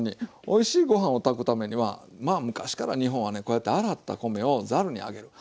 おいしいご飯を炊くためにはまあ昔から日本はねこうやって洗った米をざるに上げる。